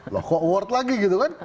loh kok award lagi gitu kan